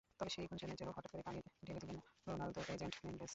তবে সেই গুঞ্জনে যেন হঠাৎ করেই পানি ঢেলে দিলেন রোনালদোর এজেন্ট মেন্ডেস।